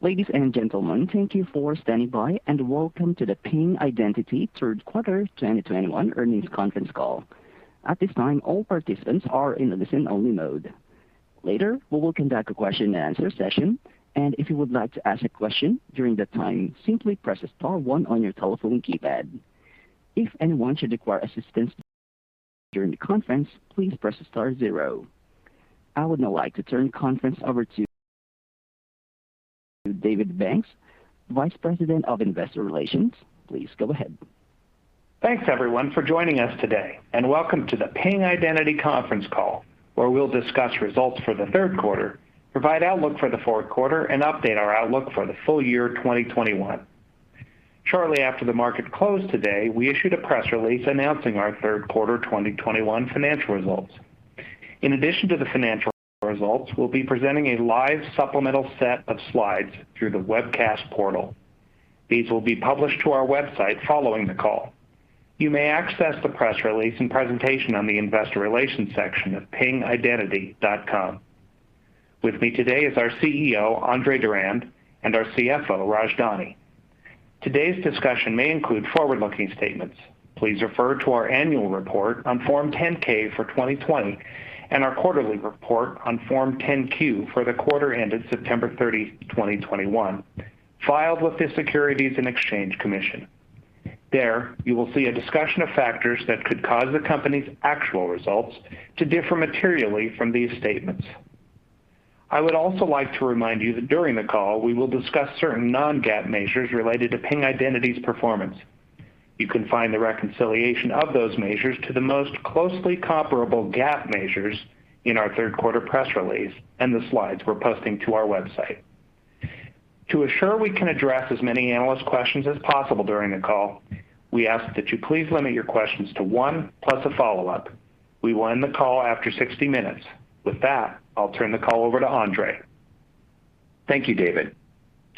Ladies and gentlemen, thank you for standing by, and welcome to the Ping Identity Q3 2021 earnings conference call. At this time, all participants are in a listen-only mode. Later, we will conduct a question and answer session, and if you would like to ask a question during that time, simply press star one on your telephone keypad. If anyone should require assistance during the conference, please press star zero. I would now like to turn the conference over to David Banks, Vice President of Investor Relations. Please go ahead. Thanks, everyone, for joining us today, and welcome to the Ping Identity conference call, where we'll discuss results for the Q3, provide outlook for the Q4, and update our outlook for the full year 2021. Shortly after the market closed today, we issued a press release announcing our Q3 2021 financial results. In addition to the financial results, we'll be presenting a live supplemental set of slides through the webcast portal. These will be published to our website following the call. You may access the press release and presentation on the investor relations section of pingidentity.com. With me today is our CEO, Andre Durand, and our CFO, Raj Dani. Today's discussion may include forward-looking statements. Please refer to our annual report on form 10-K for 2020 and our quarterly report on form 10-Q for the quarter ended September 30, 2021, filed with the Securities and Exchange Commission. There, you will see a discussion of factors that could cause the company's actual results to differ materially from these statements. I would also like to remind you that during the call, we will discuss certain non-GAAP measures related to Ping Identity's performance. You can find the reconciliation of those measures to the most closely comparable GAAP measures in our Q3 press release and the slides we're posting to our website. To assure we can address as many analyst questions as possible during the call, we ask that you please limit your questions to one plus a follow-up. We will end the call after 60 minutes. With that, I'll turn the call over to Andre. Thank you, David.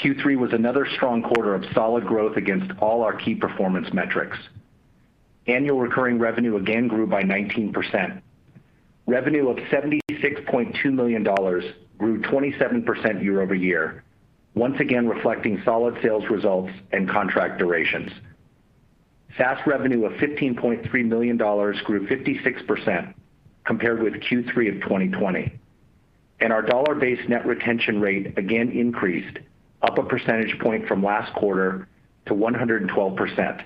Q3 was another strong quarter of solid growth against all our key performance metrics. Annual recurring revenue again grew by 19%. Revenue of $76.2 million grew 27% year-over-year, once again reflecting solid sales results and contract durations. SaaS revenue of $15.3 million grew 56% compared with Q3 of 2020. Our dollar-based net retention rate again increased up a percentage point from last quarter to 112%,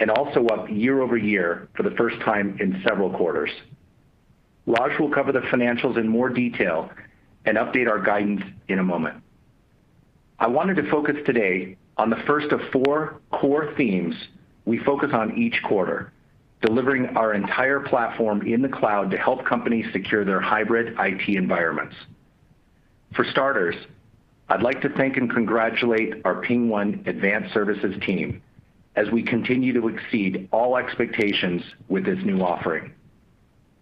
and also up year-over-year for the first time in several quarters. Raj will cover the financials in more detail and update our guidance in a moment. I wanted to focus today on the first of four core themes we focus on each quarter, delivering our entire platform in the cloud to help companies secure their hybrid IT environments. For starters, I'd like to thank and congratulate our PingOne Advanced Services team as we continue to exceed all expectations with this new offering.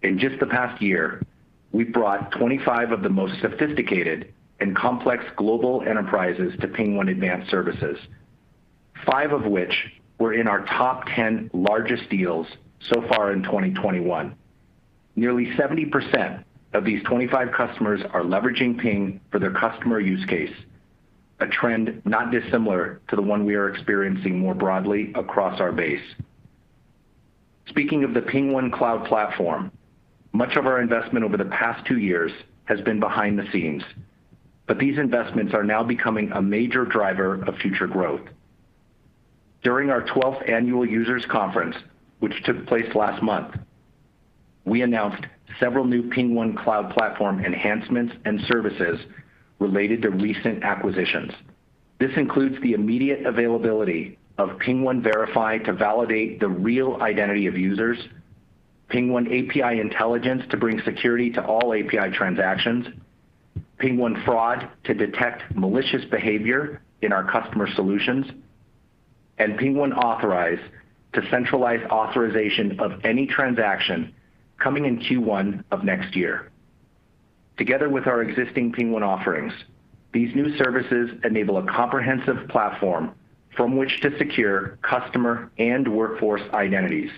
In just the past year, we've brought 25 of the most sophisticated and complex global enterprises to PingOne Advanced Services, five of which were in our top 10 largest deals so far in 2021. Nearly 70% of these 25 customers are leveraging Ping for their customer use case, a trend not dissimilar to the one we are experiencing more broadly across our base. Speaking of the PingOne Cloud Platform, much of our investment over the past two years has been behind the scenes, but these investments are now becoming a major driver of future growth. During our 12th annual users conference, which took place last month, we announced several new PingOne Cloud Platform enhancements and services related to recent acquisitions. This includes the immediate availability of PingOne Verify to validate the real identity of users, PingOne API Intelligence to bring security to all API transactions, PingOne Fraud to detect malicious behavior in our customer solutions, and PingOne Authorize to centralize authorization of any transaction coming in Q1 of next year. Together with our existing PingOne offerings, these new services enable a comprehensive platform from which to secure customer and workforce identities,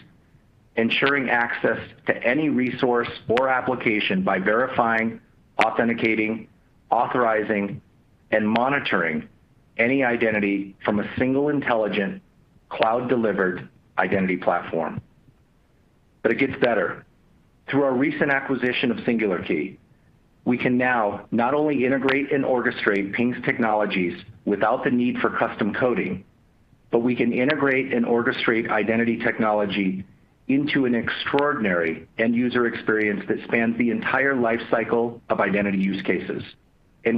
ensuring access to any resource or application by verifying, authenticating, authorizing, and monitoring any identity from a single intelligent cloud-delivered identity platform. It gets better. Through our recent acquisition of Singular Key, we can now not only integrate and orchestrate Ping's technologies without the need for custom coding, but we can integrate and orchestrate identity technology into an extraordinary end user experience that spans the entire life cycle of identity use cases.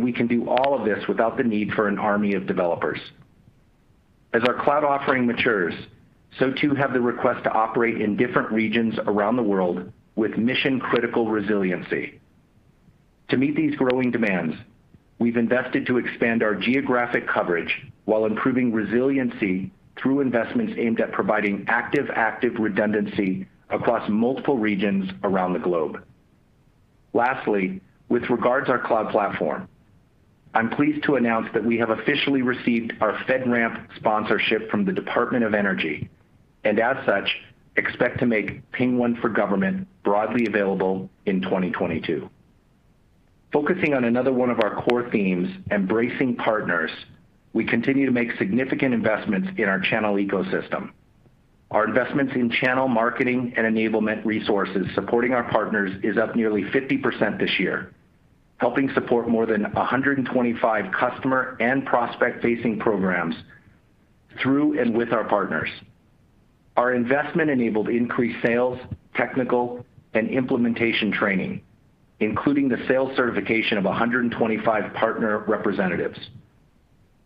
We can do all of this without the need for an army of developers. As our cloud offering matures, so too have the requests to operate in different regions around the world with mission-critical resiliency. To meet these growing demands, we've invested to expand our geographic coverage while improving resiliency through investments aimed at providing active-active redundancy across multiple regions around the globe. Lastly, with regard to our cloud platform, I'm pleased to announce that we have officially received our FedRAMP sponsorship from the Department of Energy. As such, we expect to make PingOne for Government broadly available in 2022. Focusing on another one of our core themes, embracing partners, we continue to make significant investments in our channel ecosystem. Our investments in channel marketing and enablement resources supporting our partners is up nearly 50% this year, helping support more than 125 customer and prospect-facing programs through and with our partners. Our investment enabled increased sales, technical, and implementation training, including the sales certification of 125 partner representatives.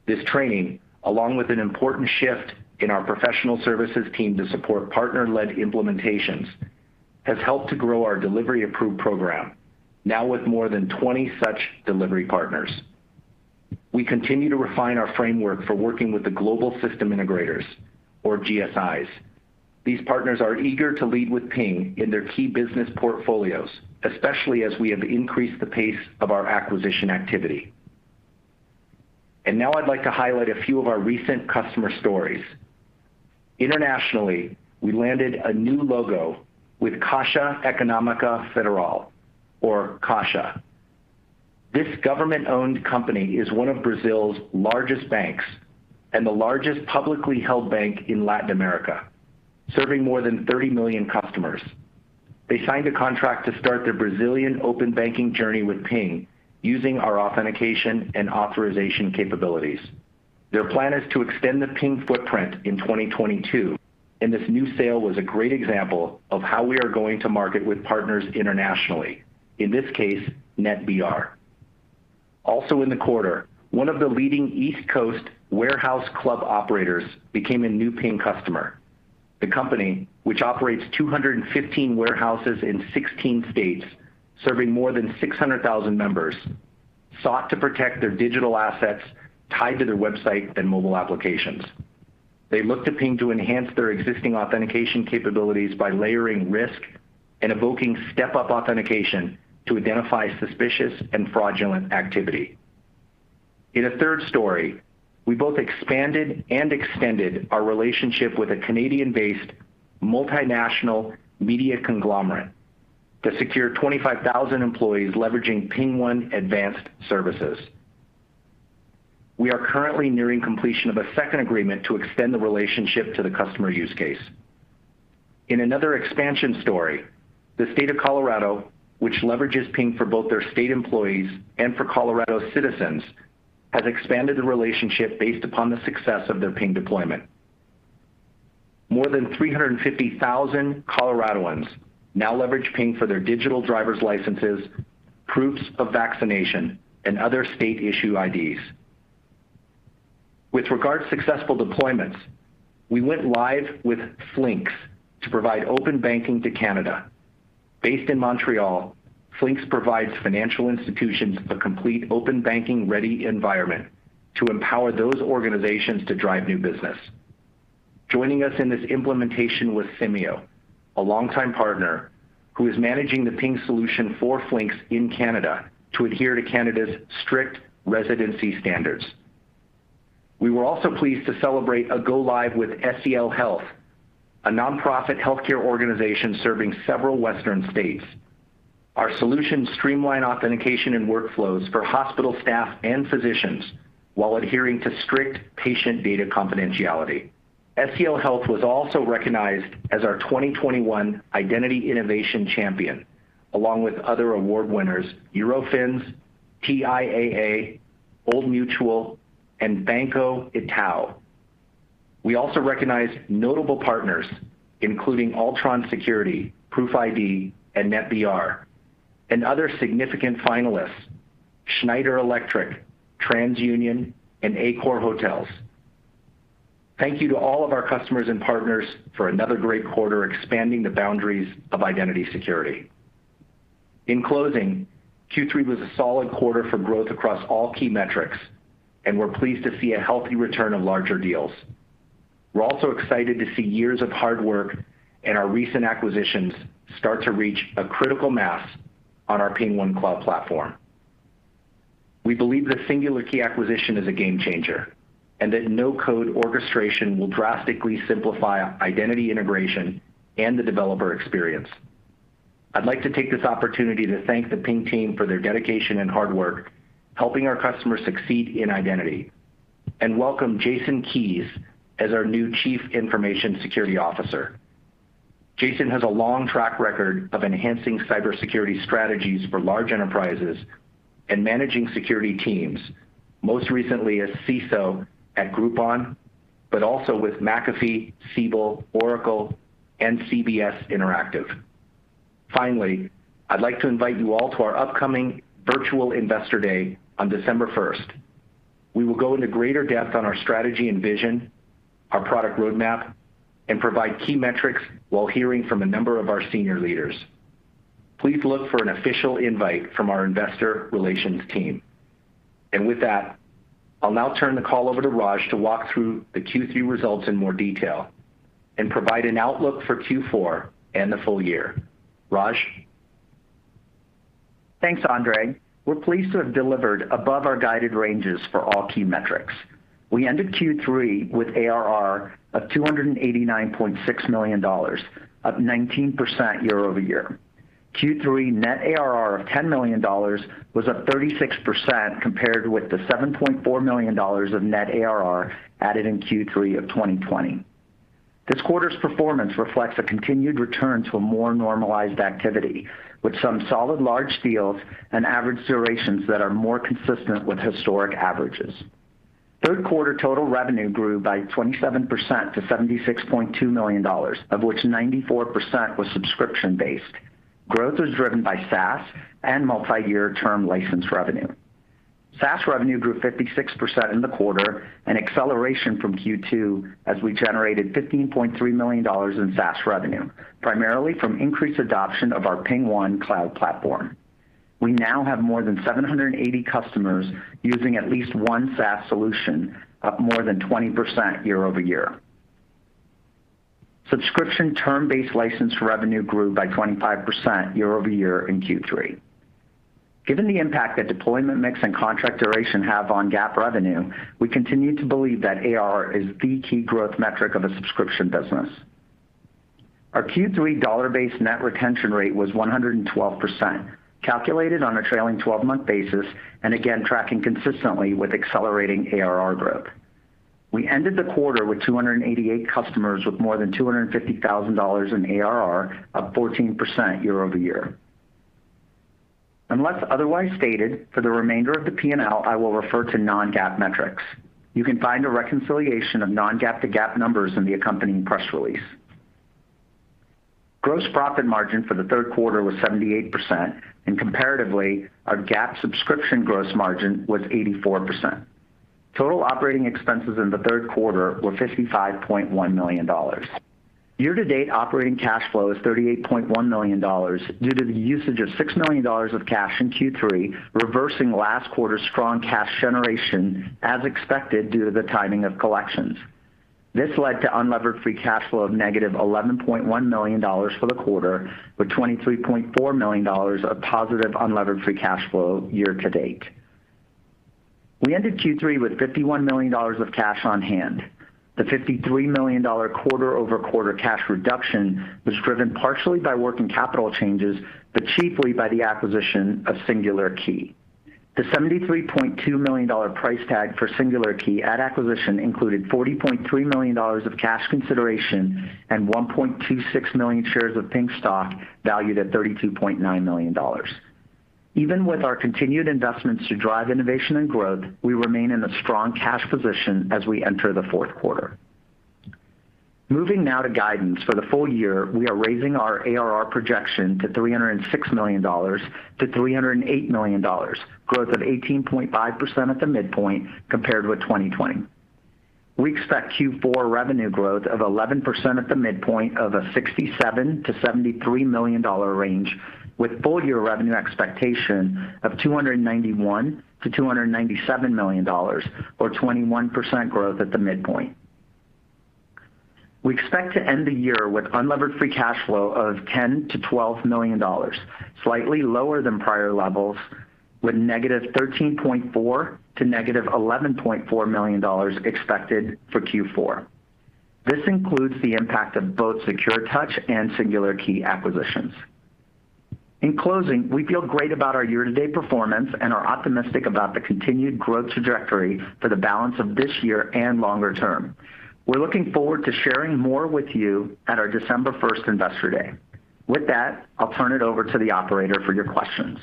This training, along with an important shift in our professional services team to support partner-led implementations, has helped to grow our delivery approved program, now with more than 20 such delivery partners. We continue to refine our framework for working with the global system integrators or GSIs. These partners are eager to lead with Ping in their key business portfolios, especially as we have increased the pace of our acquisition activity. Now I'd like to highlight a few of our recent customer stories. Internationally, we landed a new logo with Caixa Econômica Federal or CAIXA. This government-owned company is one of Brazil's largest banks and the largest publicly held bank in Latin America, serving more than 30 million customers. They signed a contract to start their Brazilian open banking journey with Ping using our authentication and authorization capabilities. Their plan is to extend the Ping footprint in 2022, and this new sale was a great example of how we are going to market with partners internationally, in this case, Netbr. Also in the quarter, one of the leading East Coast warehouse club operators became a new Ping customer. The company, which operates 215 warehouses in 16 states, serving more than 600,000 members, sought to protect their digital assets tied to their website and mobile applications. They looked to Ping to enhance their existing authentication capabilities by layering risk and invoking step-up authentication to identify suspicious and fraudulent activity. In a third story, we both expanded and extended our relationship with a Canadian-based multinational media conglomerate to secure 25,000 employees leveraging PingOne Advanced Services. We are currently nearing completion of a second agreement to extend the relationship to the customer use case. In another expansion story, the State of Colorado, which leverages Ping for both their state employees and for Colorado citizens, has expanded the relationship based upon the success of their Ping deployment. More than 350,000 Coloradoans now leverage Ping for their digital driver's licenses, proofs of vaccination, and other state-issued IDs. With regard to successful deployments, we went live with Flinks to provide open banking to Canada. Based in Montreal, Flinks provides financial institutions a complete open banking ready environment to empower those organizations to drive new business. Joining us in this implementation was Simeio, a longtime partner who is managing the Ping solution for Flinks in Canada to adhere to Canada's strict residency standards. We were also pleased to celebrate a go live with SCL Health, a nonprofit healthcare organization serving several Western states. Our solutions streamline authentication and workflows for hospital staff and physicians while adhering to strict patient data confidentiality. SCL Health was also recognized as our 2021 Identity Innovation Champion, along with other award winners, Eurofins, TIAA, Old Mutual, and Banco Itaú. We also recognize notable partners, including Optiv Security, ProofID, and Netbr, and other significant finalists, Schneider Electric, TransUnion, and Accor Hotels. Thank you to all of our customers and partners for another great quarter expanding the boundaries of identity security. In closing, Q3 was a solid quarter for growth across all key metrics, and we're pleased to see a healthy return of larger deals. We're also excited to see years of hard work and our recent acquisitions start to reach a critical mass on our PingOne Cloud Platform. We believe the Singular Key acquisition is a game changer, and that no-code orchestration will drastically simplify identity integration and the developer experience. I'd like to take this opportunity to thank the Ping team for their dedication and hard work, helping our customers succeed in identity. Welcome Jason Kees as our new Chief Information Security Officer. Jason has a long track record of enhancing cybersecurity strategies for large enterprises and managing security teams, most recently as CISO at Groupon, but also with McAfee, Siebel, Oracle, and CBS Interactive. Finally, I'd like to invite you all to our upcoming virtual Investor Day on December first. We will go into greater depth on our strategy and vision, our product roadmap, and provide key metrics while hearing from a number of our senior leaders. Please look for an official invite from our investor relations team. With that, I'll now turn the call over to Raj to walk through the Q3 results in more detail and provide an outlook for Q4 and the full year. Raj? Thanks, Andre. We're pleased to have delivered above our guided ranges for all key metrics. We ended Q3 with ARR of $289.6 million, up 19% year-over-year. Q3 net ARR of $10 million was up 36% compared with the $7.4 million of net ARR added in Q3 of 2020. This quarter's performance reflects a continued return to a more normalized activity, with some solid large deals and average durations that are more consistent with historic averages. Q3 total revenue grew by 27% to $76.2 million, of which 94% was subscription-based. Growth was driven by SaaS and multi-year term license revenue. SaaS revenue grew 56% in the quarter, an acceleration from Q2 as we generated $15.3 million in SaaS revenue, primarily from increased adoption of our PingOne Cloud Platform. We now have more than 780 customers using at least one SaaS solution, up more than 20% year-over-year. Subscription term-based license revenue grew by 25% year-over-year in Q3. Given the impact that deployment mix and contract duration have on GAAP revenue, we continue to believe that ARR is the key growth metric of a subscription business. Our Q3 dollar-based net retention rate was 112%, calculated on a trailing twelve-month basis, and again, tracking consistently with accelerating ARR growth. We ended the quarter with 288 customers with more than $250,000 in ARR, up 14% year-over-year. Unless otherwise stated, for the remainder of the P&L, I will refer to non-GAAP metrics. You can find a reconciliation of non-GAAP to GAAP numbers in the accompanying press release. Gross profit margin for the Q3 was 78%, and comparatively, our GAAP subscription gross margin was 84%. Total operating expenses in the Q3 were $55.1 million. Year-to-date operating cash flow is $38.1 million due to the usage of $6 million of cash in Q3, reversing last quarter's strong cash generation as expected due to the timing of collections. This led to unlevered free cash flow of -$11.1 million for the quarter, with $23.4 million of positive unlevered free cash flow year to date. We ended Q3 with $51 million of cash on hand. The $53 million quarter-over-quarter cash reduction was driven partially by working capital changes, but chiefly by the acquisition of Singular Key. The $73.2 million price tag for Singular Key at acquisition included $40.3 million of cash consideration and 1.26 million shares of Ping stock valued at $32.9 million. Even with our continued investments to drive innovation and growth, we remain in a strong cash position as we enter the Q4. Moving now to guidance for the full year, we are raising our ARR projection to $306 million-$308 million, growth of 18.5% at the midpoint compared with 2020. We expect Q4 revenue growth of 11% at the midpoint of a $67-$73 million range, with full year revenue expectation of $291-$297 million or 21% growth at the midpoint. We expect to end the year with unlevered free cash flow of $10 million-$12 million, slightly lower than prior levels, with -$13.4 million to -$11.4 million expected for Q4. This includes the impact of both SecuredTouch and Singular Key acquisitions. In closing, we feel great about our year-to-date performance and are optimistic about the continued growth trajectory for the balance of this year and longer term. We're looking forward to sharing more with you at our December 1 investor day. With that, I'll turn it over to the operator for your questions.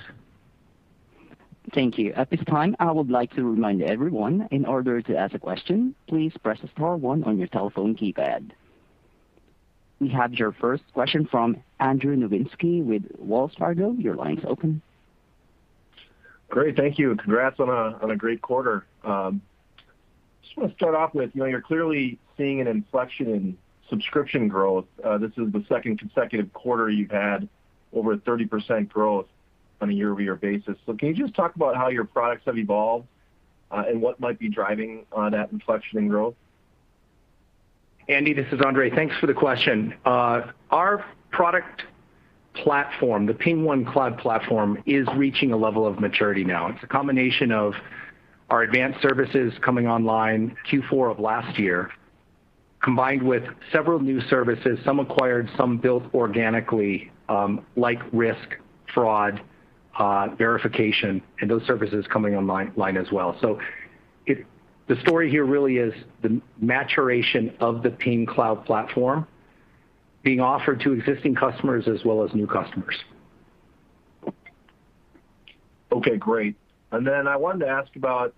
Thank you. At this time, I would like to remind everyone in order to ask a question, please press star one on your telephone keypad. We have your first question from Andrew Nowinski with Wells Fargo. Your line's open. Great. Thank you. Congrats on a great quarter. Just wanna start off with, you know, you're clearly seeing an inflection in subscription growth. This is the second consecutive quarter you've had over 30% growth on a year-over-year basis. Can you just talk about how your products have evolved, and what might be driving that inflection in growth? Andy, this is Andre. Thanks for the question. Our product platform, the PingOne Cloud Platform, is reaching a level of maturity now. It's a combination of our advanced services coming online Q4 of last year, combined with several new services, some acquired, some built organically, like risk, fraud, verification, and those services coming online as well. The story here really is the maturation of the Ping Cloud Platform being offered to existing customers as well as new customers. Okay, great. I wanted to ask about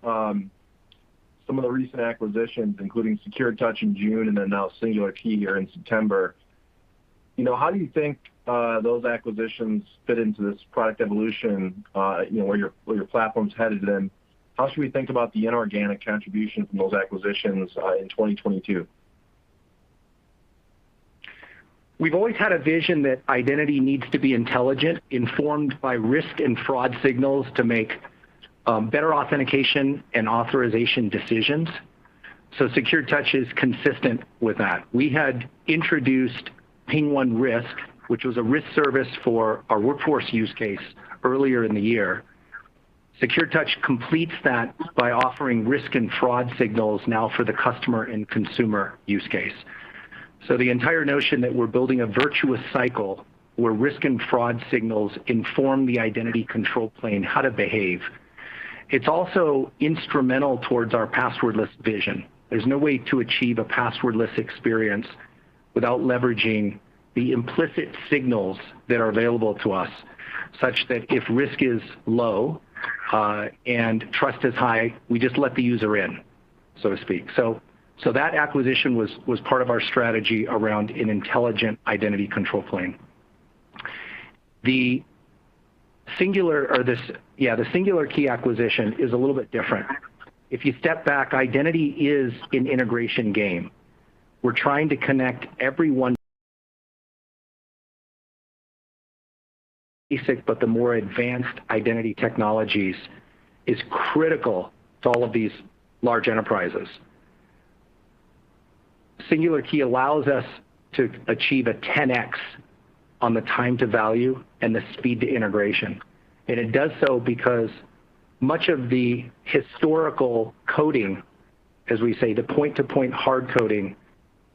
some of the recent acquisitions, including SecuredTouch in June and then now Singular Key here in September. You know, how do you think those acquisitions fit into this product evolution, you know, where your platform's headed, and how should we think about the inorganic contribution from those acquisitions in 2022? We've always had a vision that identity needs to be intelligent, informed by risk and fraud signals to make better authentication and authorization decisions. SecuredTouch is consistent with that. We had introduced PingOne Risk, which was a risk service for our workforce use case earlier in the year. SecuredTouch completes that by offering risk and fraud signals now for the customer and consumer use case. The entire notion that we're building a virtuous cycle where risk and fraud signals inform the identity control plane how to behave. It's also instrumental towards our passwordless vision. There's no way to achieve a passwordless experience without leveraging the implicit signals that are available to us, such that if risk is low and trust is high, we just let the user in, so to speak. That acquisition was part of our strategy around an intelligent identity control plane. The Singular Key acquisition is a little bit different. If you step back, identity is an integration game. We're trying to connect everyone. Basic, but the more advanced identity technologies is critical to all of these large enterprises. Singular Key allows us to achieve a 10x on the time to value and the speed to integration. It does so because much of the historical coding, as we say, the point-to-point hard coding,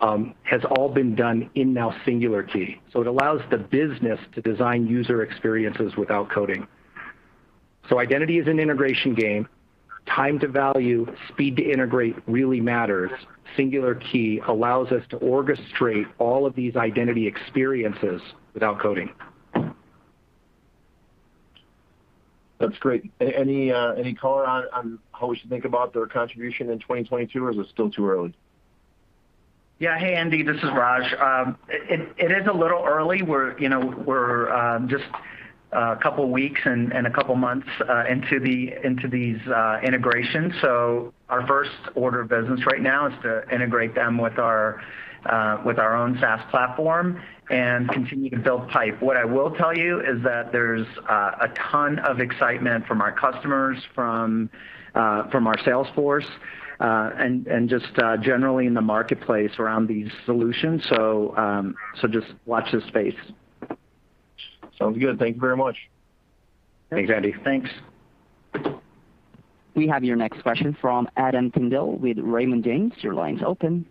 has all been done, and now Singular Key. It allows the business to design user experiences without coding. Identity is an integration game. Time to value, speed to integrate really matters. Singular Key allows us to orchestrate all of these identity experiences without coding. That's great. Any color on how we should think about their contribution in 2022, or is it still too early? Yeah. Hey, Andy, this is Raj. It is a little early. We're, you know, we're just a couple of weeks and a couple of months into these integrations. Our first order of business right now is to integrate them with our own SaaS platform and continue to build pipe. What I will tell you is that there's a ton of excitement from our customers, from our sales force, and just generally in the marketplace around these solutions. Just watch this space. Sounds good. Thank you very much. Thanks, Andy. Thanks. We have your next question from Adam Tindle with Raymond James. Your line is open.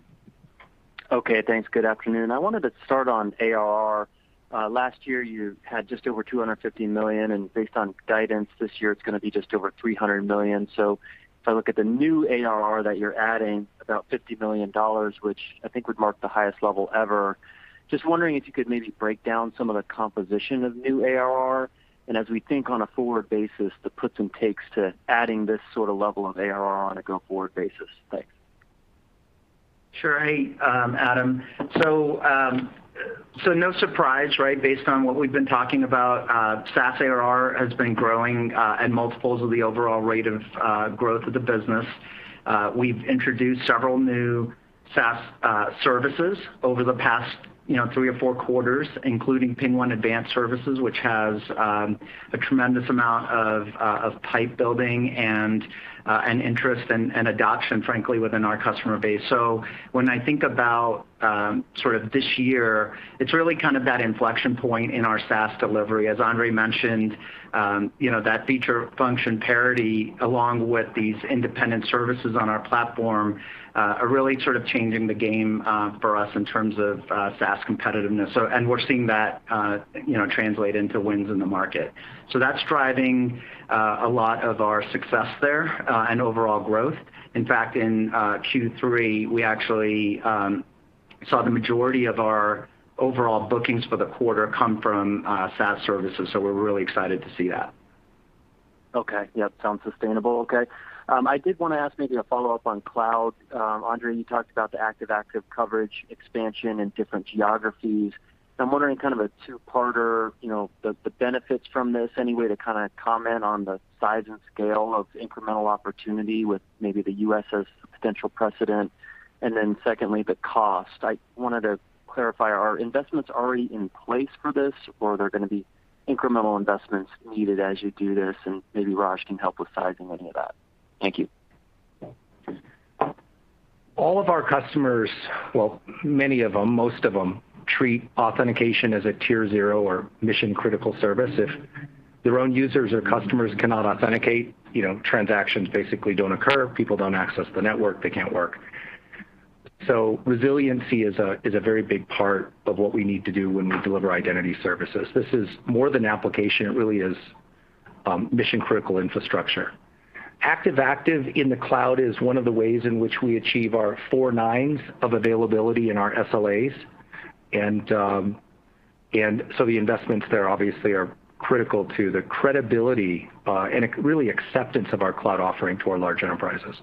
Okay, thanks. Good afternoon. I wanted to start on ARR. Last year, you had just over $250 million, and based on guidance this year, it's going to be just over $300 million. If I look at the new ARR that you're adding about $50 million, which I think would mark the highest level ever. Just wondering if you could maybe break down some of the composition of new ARR, and as we think on a forward basis, the puts and takes to adding this sort of level of ARR on a go-forward basis. Thanks. Sure. Hey, Adam. No surprise, right? Based on what we've been talking about, SaaS ARR has been growing at multiples of the overall rate of growth of the business. We've introduced several new SaaS services over the past, you know, three or four quarters, including PingOne Advanced Services, which has a tremendous amount of pipeline building and interest and adoption, frankly, within our customer base. When I think about sort of this year, it's really kind of that inflection point in our SaaS delivery. As Andre mentioned, you know, that feature function parity along with these independent services on our platform are really sort of changing the game for us in terms of SaaS competitiveness. We're seeing that, you know, translate into wins in the market. That's driving a lot of our success there and overall growth. In fact, in Q3, we actually saw the majority of our overall bookings for the quarter come from SaaS services. We're really excited to see that. Okay. Yeah, sounds sustainable. Okay. I did want to ask maybe a follow-up on cloud. Andre, you talked about the active-active coverage expansion in different geographies. I'm wondering kind of a two-parter, you know, the benefits from this, any way to comment on the size and scale of incremental opportunity with maybe the U.S. as a potential precedent. Then secondly, the cost. I wanted to clarify, are investments already in place for this, or are there going to be incremental investments needed as you do this? Maybe Raj can help with sizing any of that. Thank you. All of our customers, well, many of them, most of them, treat authentication as a tier zero or mission-critical service. If their own users or customers cannot authenticate, you know, transactions basically don't occur, people don't access the network, they can't work. Resiliency is a very big part of what we need to do when we deliver identity services. This is more than application. It really is mission-critical infrastructure. Active-active in the cloud is one of the ways in which we achieve our four nines of availability in our SLAs. The investments there obviously are critical to the credibility and really acceptance of our cloud offering to our large enterprises.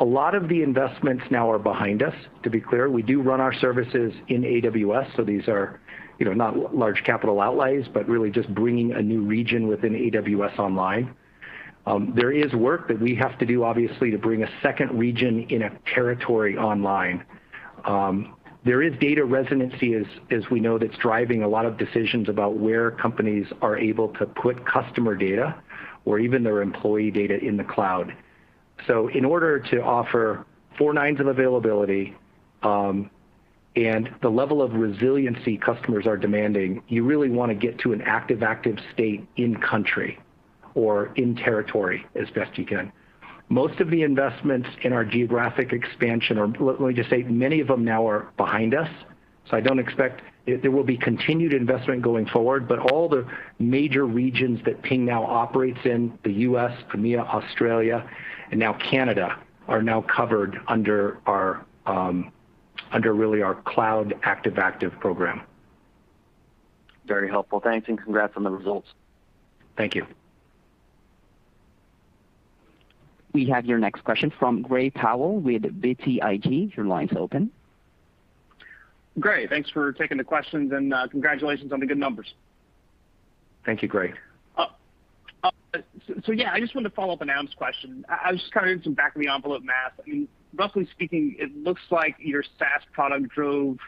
A lot of the investments now are behind us, to be clear. We do run our services in AWS, so these are, you know, not large capital outlays, but really just bringing a new region within AWS online. There is work that we have to do, obviously, to bring a second region in a territory online. There is data residency as we know, that's driving a lot of decisions about where companies are able to put customer data or even their employee data in the cloud. In order to offer four nines of availability, and the level of resiliency customers are demanding, you really wanna get to an active state in country or in territory as best you can. Most of the investments in our geographic expansion are. Let me just say many of them now are behind us, so I don't expect it. There will be continued investment going forward, but all the major regions that Ping now operates in, the U.S., EMEA, Australia, and now Canada, are now covered under really our cloud active program. Very helpful. Thanks and congrats on the results. Thank you. We have your next question from Gray Powell with BTIG. Your line's open. Gray, thanks for taking the questions, and, congratulations on the good numbers. Thank you, Gray. Yeah, I just wanted to follow up on Adam's question. I was just kind of doing some back of the envelope math. I mean, roughly speaking, it looks like your SaaS product drove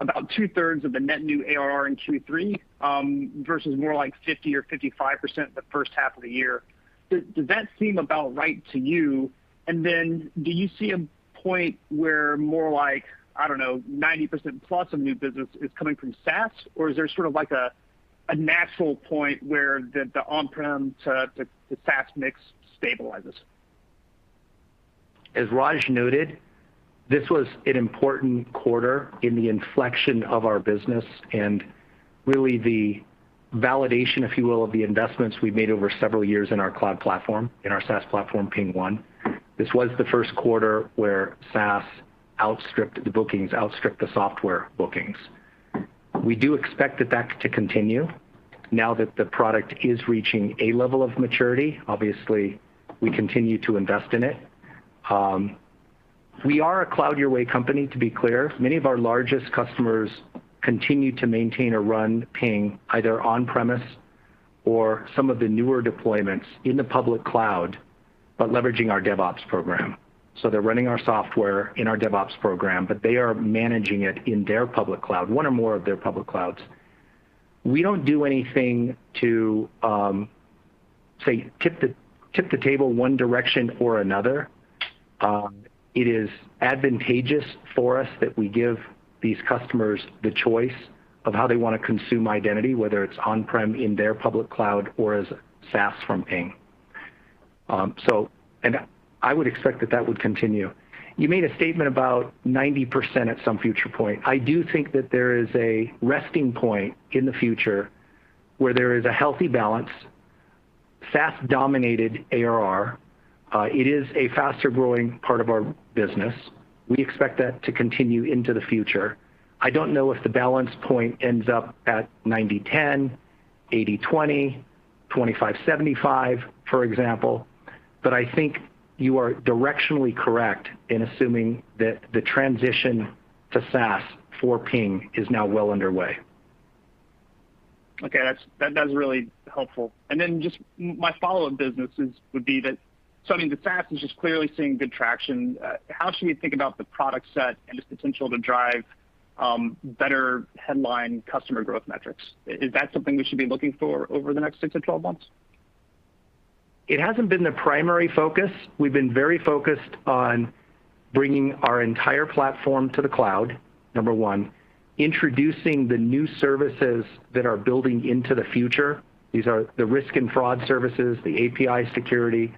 about two-thirds of the net new ARR in Q3, versus more like 50% or 55% the first half of the year. Does that seem about right to you? And then do you see a point where more like, I don't know, 90% plus of new business is coming from SaaS? Or is there sort of like a natural point where the on-prem to the SaaS mix stabilizes? As Raj noted, this was an important quarter in the inflection of our business and really the validation, if you will, of the investments we've made over several years in our cloud platform, in our SaaS platform, PingOne. This was the Q1 where SaaS outstripped the bookings, outstripped the software bookings. We do expect that to continue now that the product is reaching a level of maturity. Obviously, we continue to invest in it. We are a cloud your way company, to be clear. Many of our largest customers continue to maintain or run Ping either on-premises or some of the newer deployments in the public cloud, but leveraging our DevOps program. They're running our software in our DevOps program, but they are managing it in their public cloud, one or more of their public clouds. We don't do anything to say, tip the table one direction or another. It is advantageous for us that we give these customers the choice of how they wanna consume identity, whether it's on-prem in their public cloud or as SaaS from Ping. I would expect that would continue. You made a statement about 90% at some future point. I do think that there is a resting point in the future where there is a healthy balance, SaaS-dominated ARR. It is a faster-growing part of our business. We expect that to continue into the future. I don't know if the balance point ends up at 90/10, 80/20, 25/75, for example, but I think you are directionally correct in assuming that the transition to SaaS for Ping is now well underway. Okay. That's really helpful. Just my follow-up would be that, so I mean, the SaaS is just clearly seeing good traction. How should we think about the product set and its potential to drive better headline customer growth metrics? Is that something we should be looking for over the next six to 12 months? It hasn't been the primary focus. We've been very focused on bringing our entire platform to the cloud, number one, introducing the new services that are building into the future. These are the risk and fraud services, the API security,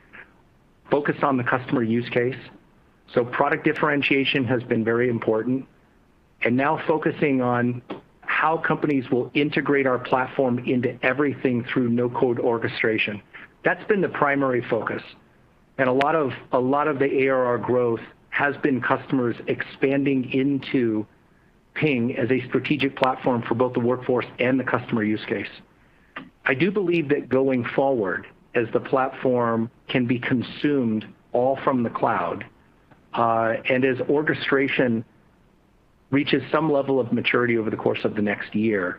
focused on the customer use case. Product differentiation has been very important and now focusing on how companies will integrate our platform into everything through no-code orchestration. That's been the primary focus. And lot of the ARR growth has been customers expanding into Ping as a strategic platform for both the workforce and the customer use case. I do believe that going forward, as the platform can be consumed all from the cloud, and as orchestration reaches some level of maturity over the course of the next year,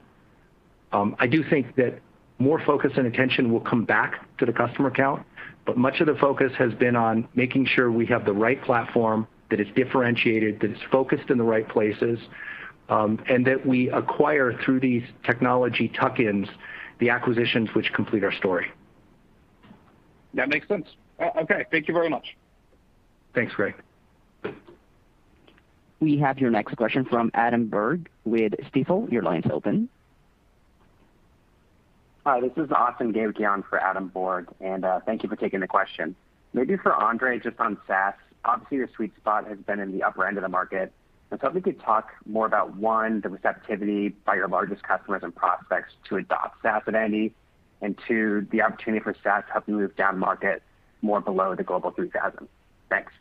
I do think that more focus and attention will come back to the customer count, but much of the focus has been on making sure we have the right platform that is differentiated, that is focused in the right places, and that we acquire through these technology tuck-ins the acquisitions which complete our story. That makes sense. Okay. Thank you very much. Thanks, Gray. We have your next question from Adam Borg with Stifel. Your line's open. Hi. This is Austin Gavigan for Adam Borg, and thank you for taking the question. Maybe for Andre, just on SaaS, obviously your sweet spot has been in the upper end of the market. If you could talk more about, one, the receptivity by your largest customers and prospects to adopt SaaS identity, and two, the opportunity for SaaS to help you move down market more below the Global 3,000. Thanks.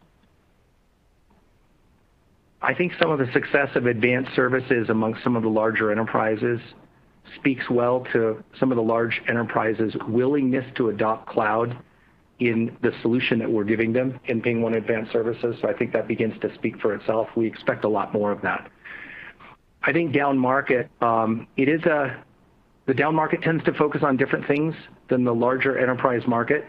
I think some of the success of advanced services amongst some of the larger enterprises speaks well to some of the large enterprises' willingness to adopt cloud in the solution that we're giving them in PingOne Advanced Services. I think that begins to speak for itself. We expect a lot more of that. I think down-market, the down market tends to focus on different things than the larger enterprise market.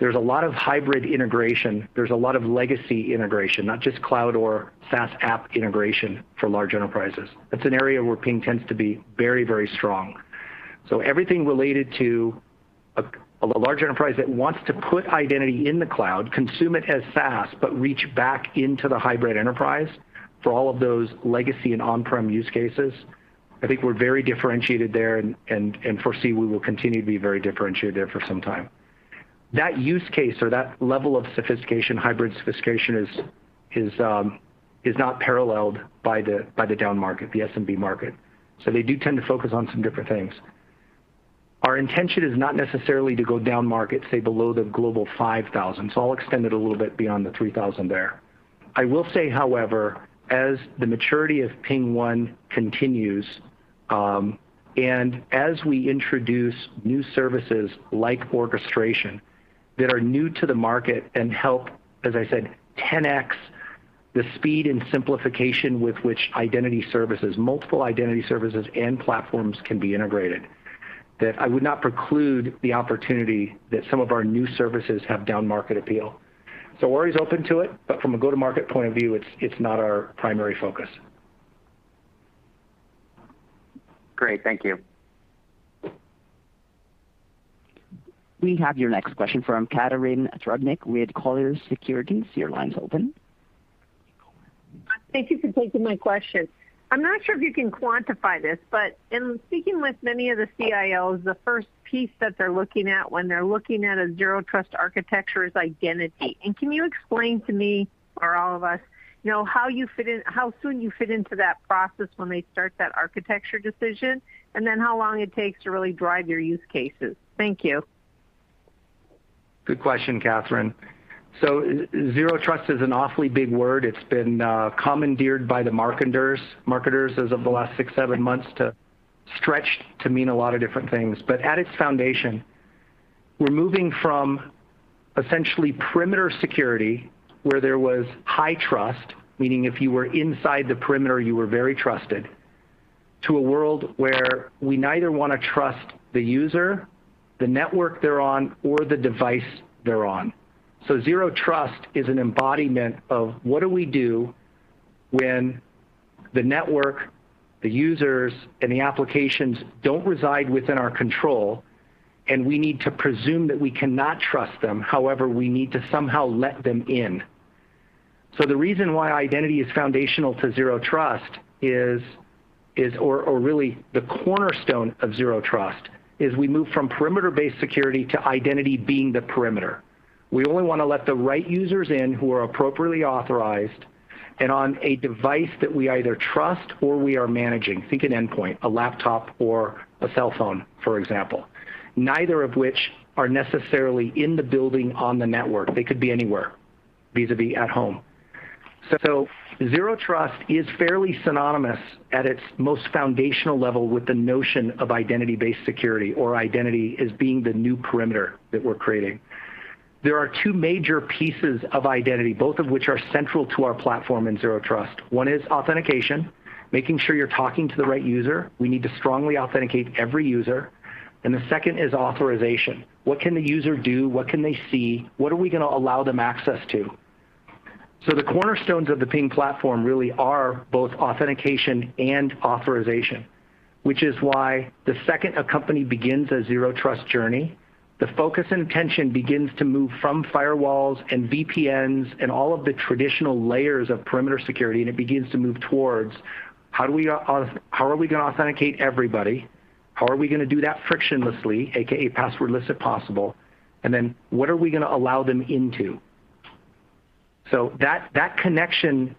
There's a lot of hybrid integration. There's a lot of legacy integration, not just cloud or SaaS app integration for large enterprises. That's an area where Ping tends to be very, very strong. Everything related to a large enterprise that wants to put identity in the cloud, consume it as SaaS, but reach back into the hybrid enterprise for all of those legacy and on-prem use cases, I think we're very differentiated there and foresee we will continue to be very differentiated there for some time. That use case or that level of sophistication, hybrid sophistication is not paralleled by the down market, the SMB market. They do tend to focus on some different things. Our intention is not necessarily to go down market, say below the Global 5,000. I'll extend it a little bit beyond the 3,000 there. I will say however, as the maturity of PingOne continues, and as we introduce new services like orchestration that are new to the market and help, as I said, 10x the speed and simplification with which identity services, multiple identity services and platforms can be integrated, that I would not preclude the opportunity that some of our new services have down-market appeal. We're always open to it, but from a go-to-market point of view, it's not our primary focus. Great. Thank you. We have your next question from Catharine Trebnick with Colliers Securities. Your line's open. Thank you for taking my question. I'm not sure if you can quantify this, but in speaking with many of the CIOs, the first piece that they're looking at when they're looking at a Zero Trust architecture is identity. Can you explain to me or all of us, you know, how you fit in, how soon you fit into that process when they start that architecture decision, and then how long it takes to really drive your use cases? Thank you. Good question, Catharine. Zero Trust is an awfully big word. It's been commandeered by the marketers as of the last six, seven months to stretch to mean a lot of different things. At its foundation, we're moving from essentially perimeter security where there was high trust, meaning if you were inside the perimeter, you were very trusted, to a world where we neither wanna trust the user, the network they're on, or the device they're on. Zero Trust is an embodiment of what do we do when the network, the users, and the applications don't reside within our control, and we need to presume that we cannot trust them, however, we need to somehow let them in. The reason why identity is foundational to Zero Trust is really the cornerstone of Zero Trust is we move from perimeter-based security to identity being the perimeter. We only wanna let the right users in who are appropriately authorized and on a device that we either trust or we are managing. Think an endpoint, a laptop or a cell phone, for example, neither of which are necessarily in the building on the network. They could be anywhere vis-a-vis at home. Zero Trust is fairly synonymous at its most foundational level with the notion of identity-based security or identity as being the new perimeter that we're creating. There are two major pieces of identity, both of which are central to our platform in Zero Trust. One is authentication, making sure you're talking to the right user. We need to strongly authenticate every user. The second is authorization. What can the user do? What can they see? What are we gonna allow them access to? The cornerstones of the Ping platform really are both authentication and authorization, which is why the second a company begins a Zero Trust journey, the focus and attention begins to move from firewalls and VPNs and all of the traditional layers of perimeter security, and it begins to move towards how are we gonna authenticate everybody? How are we gonna do that frictionlessly, AKA passwordless if possible? Then what are we gonna allow them into? That connection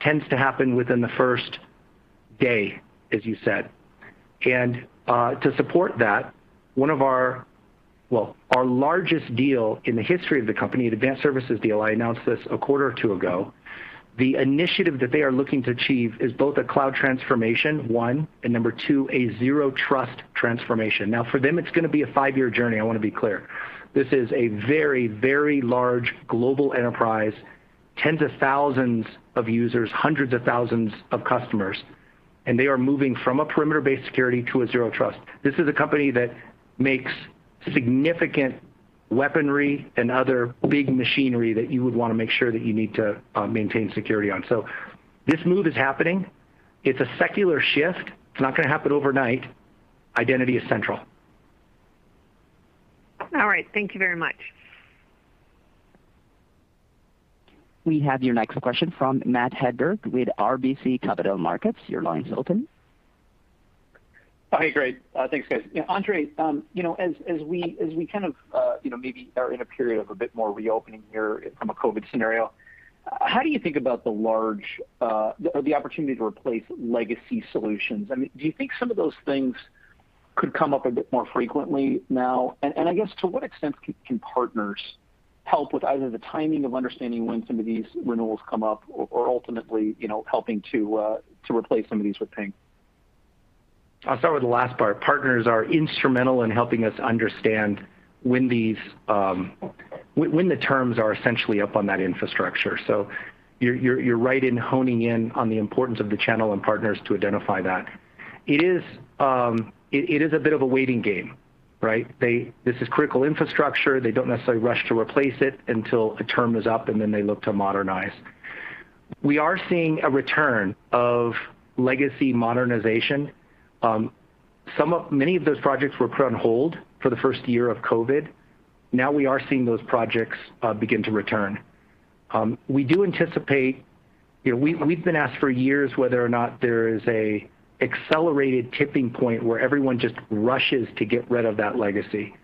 tends to happen within the first day, as you said. To support that, our largest deal in the history of the company, an Advanced Services deal, I announced this a quarter or two ago. The initiative that they are looking to achieve is both a cloud transformation, one, and number two, a Zero Trust transformation. Now, for them, it's gonna be a five year journey. I wanna be clear. This is a very, very large global enterprise, tens of thousands of users, hundreds of thousands of customers, and they are moving from a perimeter-based security to a Zero Trust. This is a company that makes significant weaponry and other big machinery that you would wanna make sure that you need to maintain security on. This move is happening. It's a secular shift. It's not gonna happen overnight. Identity is central. All right. Thank you very much. We have your next question from Matt Hedberg with RBC Capital Markets. Your line is open. Okay, great. Thanks, guys. Andre, you know, as we kind of, you know, maybe are in a period of a bit more reopening here from a COVID scenario, how do you think about the large, or the opportunity to replace legacy solutions? I mean, do you think some of those things could come up a bit more frequently now? I guess to what extent can partners help with either the timing of understanding when some of these renewals come up or ultimately, you know, helping to replace some of these with Ping? I'll start with the last part. Partners are instrumental in helping us understand when these, when the terms are essentially up on that infrastructure. You're right in honing in on the importance of the channel and partners to identify that. It is a bit of a waiting game, right? This is critical infrastructure. They don't necessarily rush to replace it until a term is up, and then they look to modernize. We are seeing a return of legacy modernization. Many of those projects were put on hold for the first year of COVID. Now we are seeing those projects begin to return. We do anticipate. You know, we've been asked for years whether or not there is an accelerated tipping point where everyone just rushes to get rid of that legacy.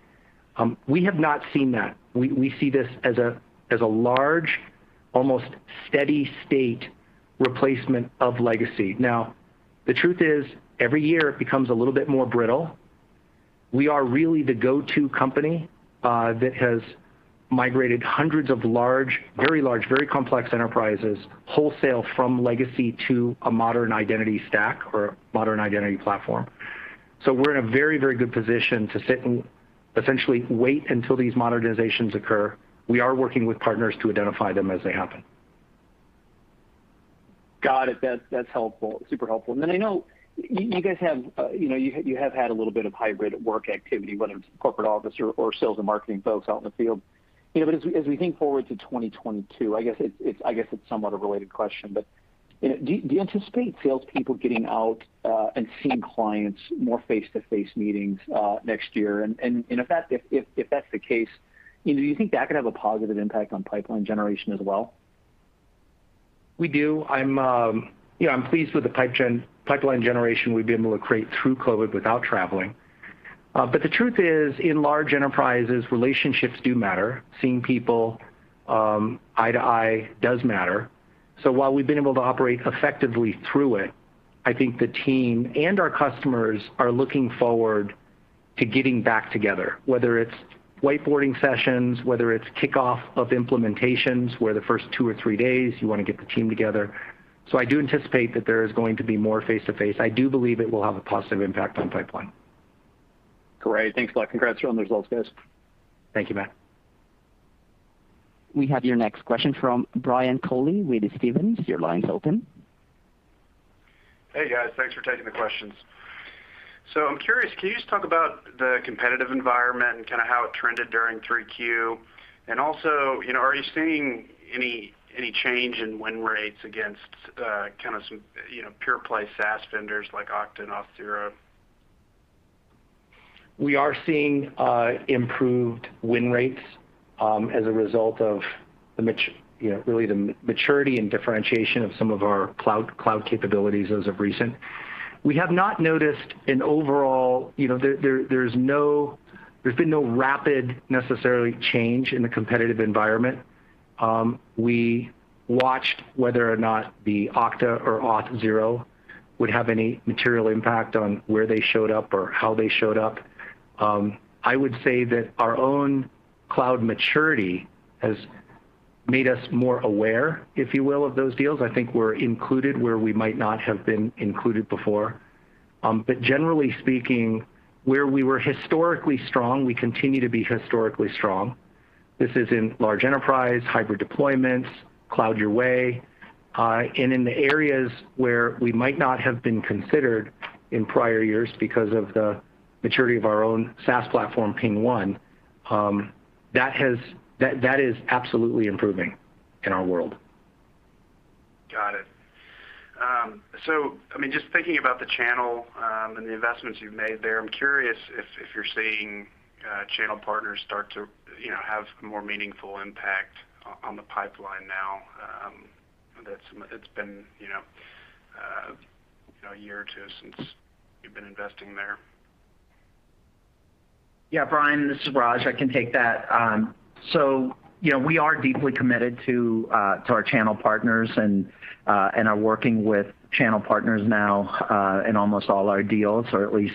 We have not seen that. We see this as a large, almost steady state replacement of legacy. Now, the truth is, every year it becomes a little bit more brittle. We are really the go-to company that has migrated hundreds of large, very large, very complex enterprises wholesale from legacy to a modern identity stack or a modern identity platform. We're in a very, very good position to sit and essentially wait until these modernizations occur. We are working with partners to identify them as they happen. Got it. That's helpful. Super helpful. I know you guys have, you know, you have had a little bit of hybrid work activity, whether it's corporate office or sales and marketing folks out in the field. You know, as we think forward to 2022, I guess it's somewhat a related question. You know, do you anticipate salespeople getting out and seeing clients more face-to-face meetings next year? In effect, if that's the case, you know, do you think that could have a positive impact on pipeline generation as well? We do. I'm, you know, I'm pleased with the pipeline generation we've been able to create through COVID without traveling. The truth is, in large enterprises, relationships do matter. Seeing people, eye to eye does matter. While we've been able to operate effectively through it, I think the team and our customers are looking forward to getting back together, whether it's whiteboarding sessions, whether it's kickoff of implementations, where the first two or three days you wanna get the team together. I do anticipate that there is going to be more face to face. I do believe it will have a positive impact on pipeline. Great. Thanks a lot. Congrats on the results, guys. Thank you, Matt. We have your next question from Brian Colley with Stephens. Your line's open. Hey, guys. Thanks for taking the questions. I'm curious, can you just talk about the competitive environment and kind of how it trended during 3Q? And also, you know, are you seeing any change in win rates against, kind of some, you know, pure play SaaS vendors like Okta and Auth0? We are seeing improved win rates as a result of the maturity and differentiation of some of our cloud capabilities as of recent. We have not noticed an overall you know there's been no rapid necessarily change in the competitive environment. We watched whether or not the Okta or Auth0 would have any material impact on where they showed up or how they showed up. I would say that our own cloud maturity has made us more aware, if you will, of those deals. I think we're included where we might not have been included before. Generally speaking, where we were historically strong, we continue to be historically strong. This is in large enterprise, hybrid deployments, cloud your way. In the areas where we might not have been considered in prior years because of the maturity of our own SaaS platform, PingOne, that is absolutely improving in our world. Got it. I mean, just thinking about the channel and the investments you've made there, I'm curious if you're seeing channel partners start to, you know, have more meaningful impact on the pipeline now. It's been, you know, a year or two since you've been investing there. Yeah. Brian, this is Raj. I can take that. So, you know, we are deeply committed to our channel partners and are working with channel partners now in almost all our deals or at least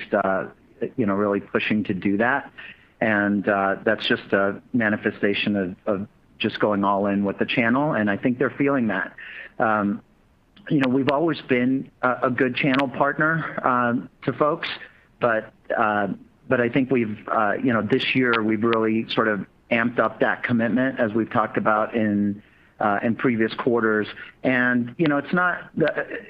you know really pushing to do that. That's just a manifestation of just going all in with the channel, and I think they're feeling that. You know, we've always been a good channel partner to folks, but I think we've you know this year we've really sort of amped up that commitment as we've talked about in previous quarters. You know, it's not.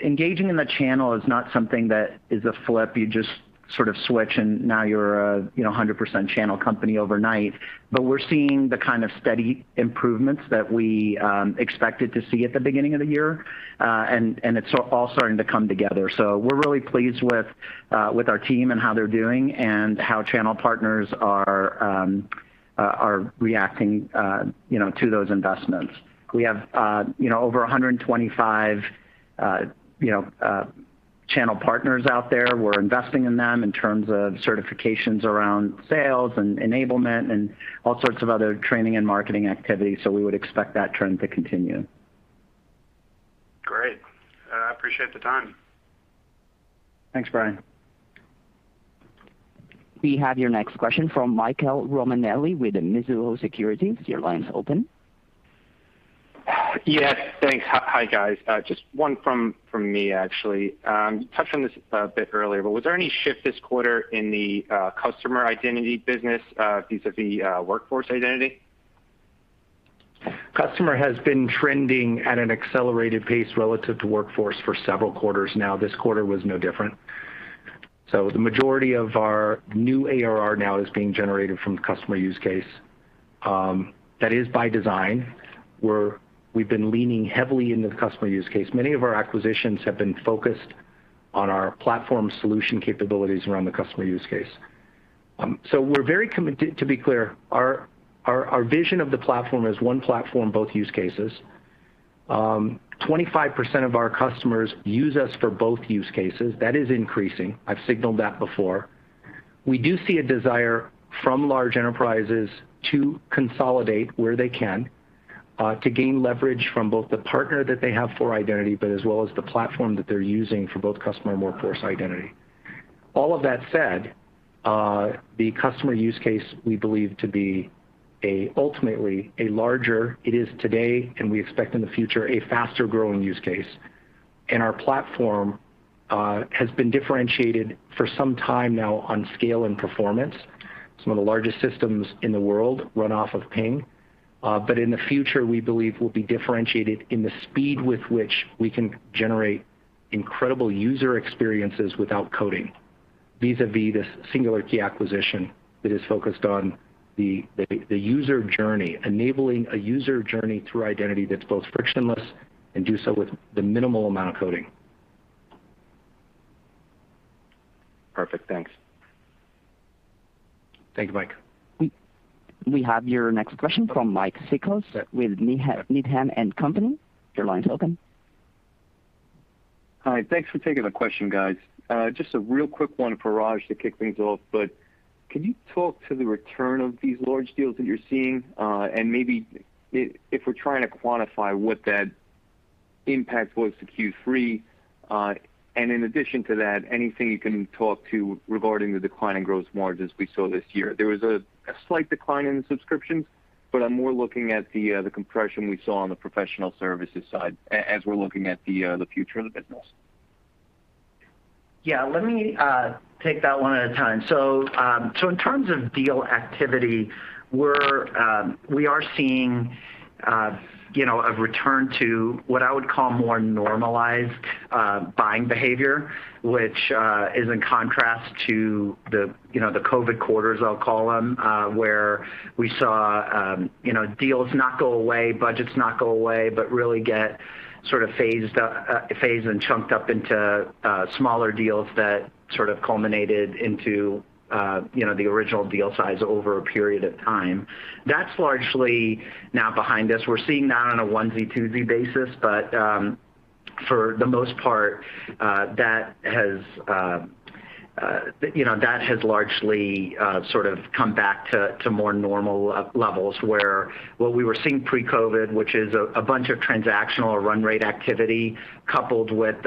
Engaging in the channel is not something that is a flip. You just sort of switch, and now you're a you know 100% channel company overnight. We're seeing the kind of steady improvements that we expected to see at the beginning of the year, and it's all starting to come together. We're really pleased with our team and how they're doing and how channel partners are reacting, you know, to those investments. We have, you know, over 125 channel partners out there. We're investing in them in terms of certifications around sales and enablement and all sorts of other training and marketing activities. We would expect that trend to continue. Great. I appreciate the time. Thanks, Brian. We have your next question from Michael Romanelli with Mizuho Securities. Your line's open. Yes. Thanks. Hi, guys. Just one from me, actually. You touched on this a bit earlier, but was there any shift this quarter in the customer identity business vis-a-vis workforce identity? Customer has been trending at an accelerated pace relative to workforce for several quarters now. This quarter was no different. The majority of our new ARR now is being generated from the customer use case. That is by design, where we've been leaning heavily into the customer use case. Many of our acquisitions have been focused on our platform solution capabilities around the customer use case. We're very committed. To be clear, our vision of the platform is one platform, both use cases. 25% of our customers use us for both use cases. That is increasing. I've signaled that before. We do see a desire from large enterprises to consolidate where they can, to gain leverage from both the partner that they have for identity, but as well as the platform that they're using for both customer and workforce identity. All of that said, the customer use case, we believe to be ultimately a larger, it is today, and we expect in the future, a faster-growing use case. Our platform has been differentiated for some time now on scale and performance. Some of the largest systems in the world run off of Ping. In the future, we believe we'll be differentiated in the speed with which we can generate incredible user experiences without coding, vis-a-vis this Singular Key acquisition that is focused on the user journey, enabling a user journey through identity that's both frictionless and do so with the minimal amount of coding. Perfect. Thanks. Thank you, Mike. We have your next question from Mike Cikos with Needham & Company. Your line's open. Hi. Thanks for taking the question, guys. Just a real quick one for Raj to kick things off, but can you talk to the return of these large deals that you're seeing, and maybe if we're trying to quantify what that impact was to Q3? In addition to that, anything you can talk to regarding the decline in gross margins we saw this year. There was a slight decline in the subscriptions, but I'm more looking at the compression we saw on the professional services side as we're looking at the future of the business. Yeah, let me take that one at a time. In terms of deal activity, we are seeing you know, a return to what I would call more normalized buying behavior, which is in contrast to the you know, the COVID quarters, I'll call them, where we saw you know, deals not go away, budgets not go away, but really get sort of phased and chunked up into smaller deals that sort of culminated into you know, the original deal size over a period of time. That's largely now behind us. We're seeing that on a onesie-twosie basis, but for the most part, that has, you know, largely sort of come back to more normal levels, where what we were seeing pre-COVID, which is a bunch of transactional or run rate activity coupled with,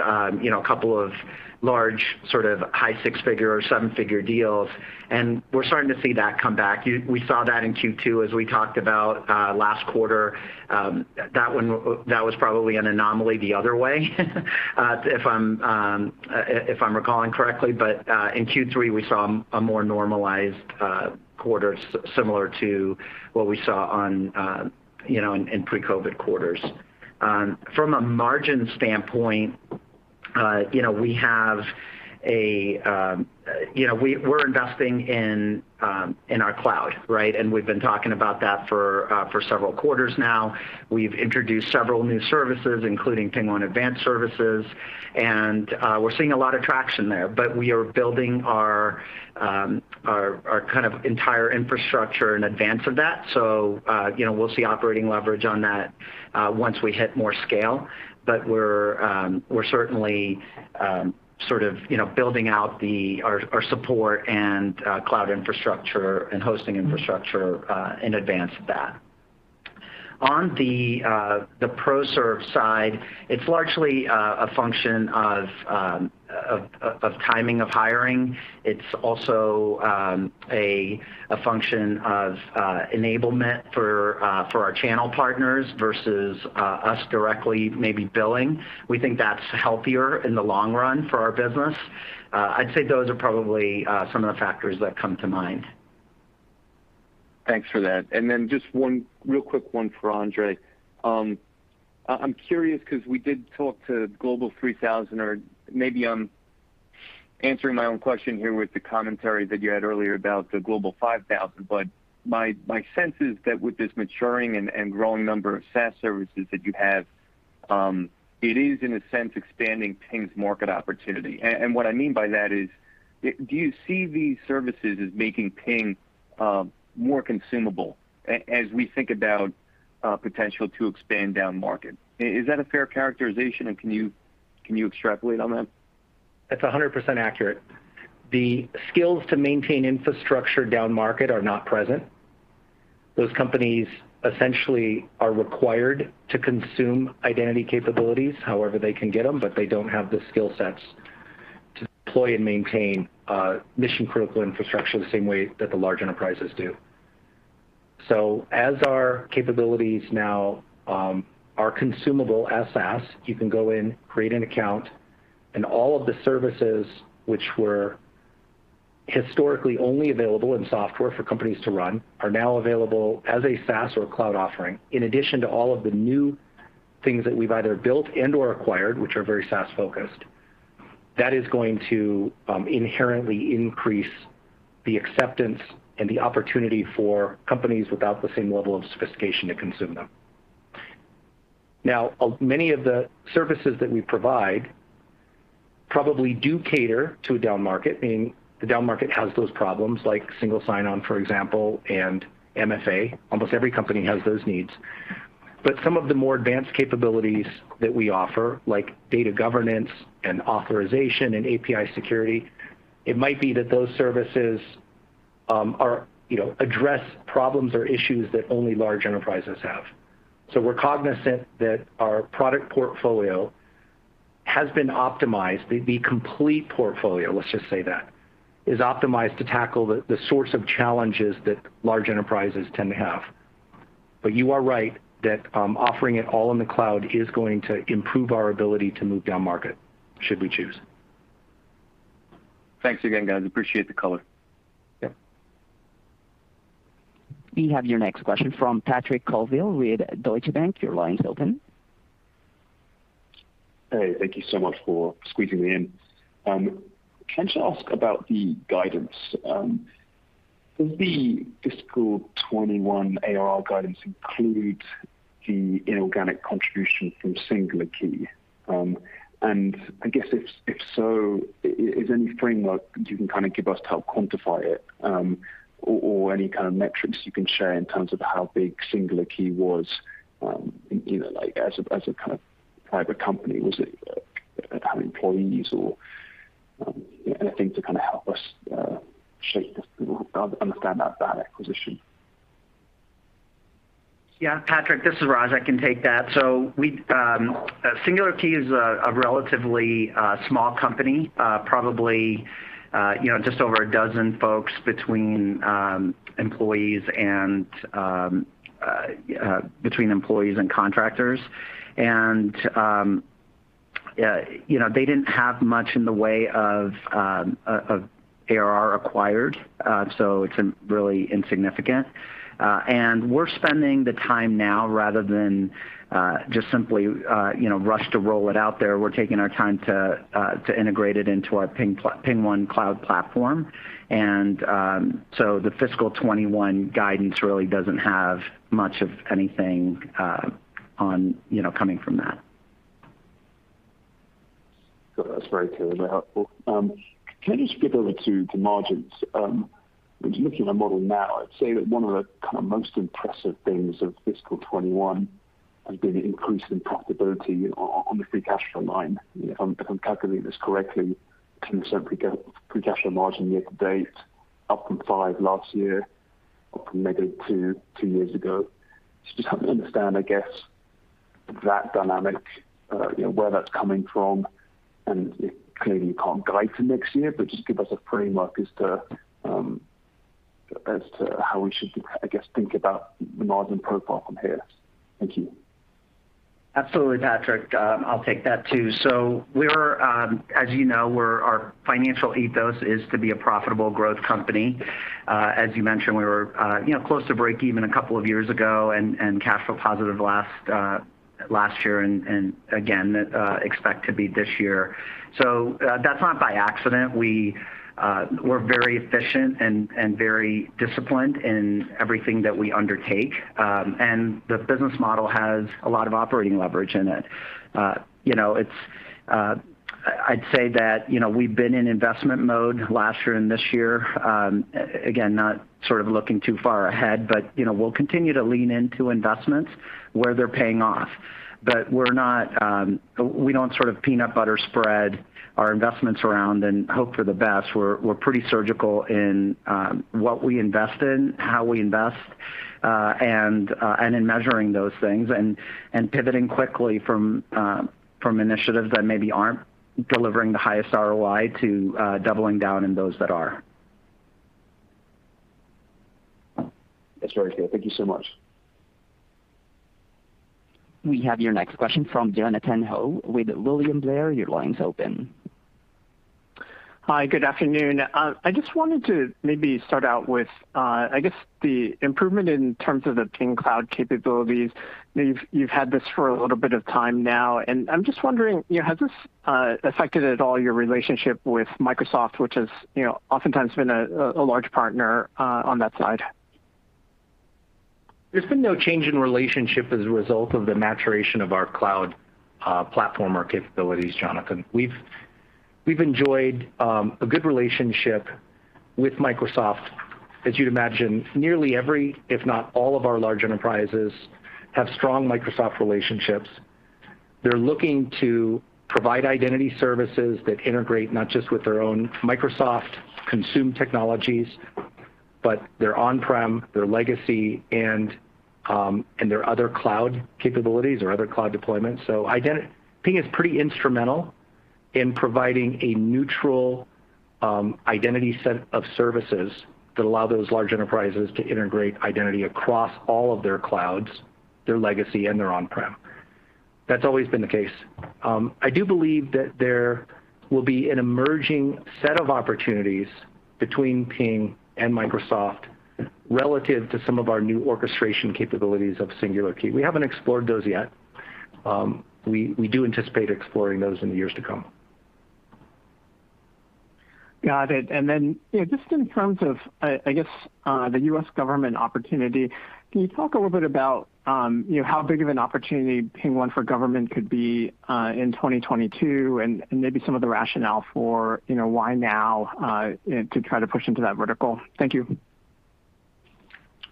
you know, a couple of large sort of high six-figure or seven-figure deals, and we're starting to see that come back. We saw that in Q2 as we talked about last quarter, that was probably an anomaly the other way, if I'm recalling correctly. In Q3, we saw a more normalized quarter similar to what we saw, you know, in pre-COVID quarters. From a margin standpoint, you know, we have a, you know, we're investing in our cloud, right? We've been talking about that for several quarters now. We've introduced several new services, including PingOne Advanced Services, and we're seeing a lot of traction there. But we are building our kind of entire infrastructure in advance of that. You know, we'll see operating leverage on that once we hit more scale. But we're certainly sort of, you know, building out our support and cloud infrastructure and hosting infrastructure in advance of that. On the Pro Serve side, it's largely a function of timing of hiring. It's also a function of enablement for our channel partners versus us directly maybe billing. We think that's healthier in the long run for our business. I'd say those are probably some of the factors that come to mind. Thanks for that. Just one real quick one for Andre. I'm curious because we did talk to Global 3,000 or maybe I'm answering my own question here with the commentary that you had earlier about the Global 5,000. My sense is that with this maturing and growing number of SaaS services that you have, it is in a sense expanding Ping's market opportunity. What I mean by that is, do you see these services as making Ping more consumable as we think about potential to expand down market? Is that a fair characterization, and can you extrapolate on that? That's 100% accurate. The skills to maintain infrastructure down market are not present. Those companies essentially are required to consume identity capabilities however they can get them, but they don't have the skill sets to deploy and maintain mission-critical infrastructure the same way that the large enterprises do. As our capabilities now are consumable as SaaS, you can go in, create an account, and all of the services which were historically only available in software for companies to run are now available as a SaaS or cloud offering in addition to all of the new things that we've either built and/or acquired, which are very SaaS-focused. That is going to inherently increase the acceptance and the opportunity for companies without the same level of sophistication to consume them. Now, of many of the services that we provide probably do cater to a down market, meaning the down market has those problems like single sign-on, for example, and MFA. Almost every company has those needs. Some of the more advanced capabilities that we offer, like data governance and authorization and API security, it might be that those services are, you know, address problems or issues that only large enterprises have. We're cognizant that our product portfolio has been optimized. The complete portfolio, let's just say that, is optimized to tackle the sorts of challenges that large enterprises tend to have. You are right that offering it all in the cloud is going to improve our ability to move down market should we choose. Thanks again, guys. Appreciate the color. Yeah. We have your next question from Patrick Colville with Deutsche Bank. Your line's open. Hey, thank you so much for squeezing me in. Can I just ask about the guidance? Does the fiscal 2021 ARR guidance include the inorganic contribution from Singular Key? I guess if so, is there any framework you can kind of give us to help quantify it, or any kind of metrics you can share in terms of how big Singular Key was, you know, like, as a kind of private company? Was it how many employees or anything to kind of help us shape this or help understand that acquisition? Yeah, Patrick, this is Raj. I can take that. Singular Key is a relatively small company, probably you know, just over a dozen folks between employees and contractors. They didn't have much in the way of ARR acquired, so it's really insignificant. We're spending the time now rather than just simply you know rush to roll it out there. We're taking our time to integrate it into our PingOne Cloud Platform. The fiscal 2021 guidance really doesn't have much of anything on you know, coming from that. That's very clear and helpful. Can I just skip over to margins? Looking at the model now, I'd say that one of the kind of most impressive things of fiscal 2021 has been the increase in profitability on the free cash flow line. If I'm calculating this correctly, 10% free cash flow margin year to date, up from 5% last year, up from -2%, two years ago. Just trying to understand, I guess, that dynamic, you know, where that's coming from, and clearly you can't guide to next year, but just give us a framework as to how we should, I guess, think about the margin profile from here. Thank you. Absolutely, Patrick. I'll take that too. We're, as you know, our financial ethos is to be a profitable growth company. As you mentioned, we were, you know, close to breakeven a couple of years ago and cash flow positive last year and again expect to be this year. That's not by accident. We're very efficient and very disciplined in everything that we undertake, and the business model has a lot of operating leverage in it. You know, it's. I'd say that, you know, we've been in investment mode last year and this year, again, not sort of looking too far ahead, but, you know, we'll continue to lean into investments where they're paying off. We're not, we don't sort of peanut butter spread our investments around and hope for the best. We're pretty surgical in what we invest in, how we invest, and in measuring those things and pivoting quickly from initiatives that maybe aren't delivering the highest ROI to doubling down in those that are. That's very clear. Thank you so much. We have your next question from Jonathan Ho with William Blair. Your line's open. Hi, good afternoon. I just wanted to maybe start out with, I guess the improvement in terms of the Ping cloud capabilities. You've had this for a little bit of time now, and I'm just wondering, you know, has this affected at all your relationship with Microsoft, which has, you know, oftentimes been a large partner on that side? There's been no change in relationship as a result of the maturation of our cloud platform or capabilities, Jonathan. We've enjoyed a good relationship with Microsoft. As you'd imagine, nearly every, if not all, of our large enterprises have strong Microsoft relationships. They're looking to provide identity services that integrate not just with their own Microsoft-consumed technologies but their on-prem, their legacy, and their other cloud capabilities or other cloud deployments. Ping is pretty instrumental in providing a neutral identity set of services that allow those large enterprises to integrate identity across all of their clouds, their legacy, and their on-prem. That's always been the case. I do believe that there will be an emerging set of opportunities between Ping and Microsoft relative to some of our new orchestration capabilities of Singular Key. We haven't explored those yet. We do anticipate exploring those in the years to come. Got it. You know, just in terms of I guess, the U.S. government opportunity, can you talk a little bit about, you know, how big of an opportunity PingOne for Government could be in 2022 and maybe some of the rationale for, you know, why now and to try to push into that vertical? Thank you.